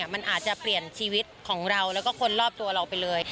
มันอาจจะเปลี่ยนชีวิตของเราแล้วก็คนรอบตัวเราไปเลย